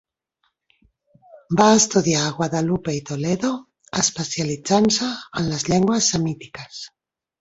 Va estudiar a Guadalupe i Toledo, especialitzant-se en les llengües semítiques.